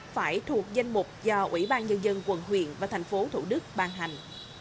phải thuộc danh mục do ủy ban nhân dân quận huyện và thành phố thủ đức ban hành